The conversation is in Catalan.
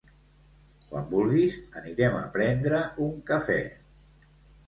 quan vulguis anirem a pendre un cafè.